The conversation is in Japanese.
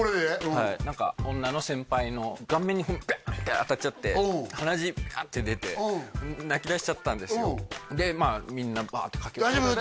はい女の先輩の顔面にバーンと当たっちゃって鼻血バーッと出て泣きだしちゃったんですよでみんなバーッて駆け寄って